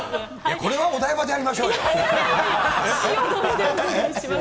これはお台場でやりましょういやいやいや。